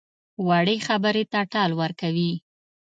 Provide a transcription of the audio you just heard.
وړې خبرې ته ټال ورکوي.